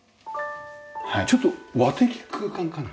ちょっと和的空間かな？